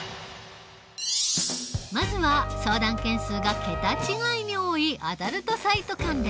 まずは相談件数が桁違いに多いアダルトサイト関連。